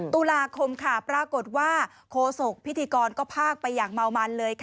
ตุลาคมปรากฏว่าโคศกพิธีกรก็พากไปอย่างเมามันเลย